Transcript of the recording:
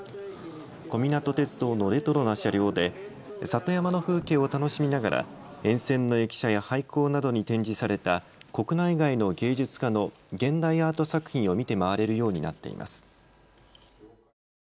小湊鐵道のレトロな車両で里山の風景を楽しみながら沿線の駅舎や廃校などに展示された国内外の芸術家の現代アート作品を見て回れるようになっています。